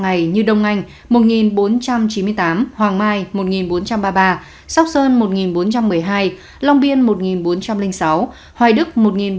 ngày như đông anh một bốn trăm chín mươi tám hoàng mai một bốn trăm ba mươi ba sóc sơn một bốn trăm một mươi hai long biên một bốn trăm linh sáu hoài đức một bốn trăm linh năm